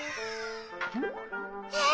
えっ！